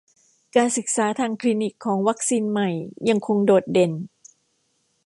การศึกษาทางคลินิกของวัคซีนใหม่ยังคงโดดเด่น